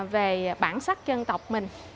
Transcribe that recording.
và bản sắc dân tộc mình